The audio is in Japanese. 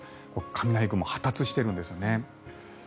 雷雲、発達しているんですよね。